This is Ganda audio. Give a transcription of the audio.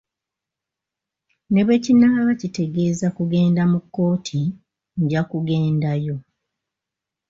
Ne bwe kinaaba kitegeeza kugenda mu kkooti, nja kugendayo.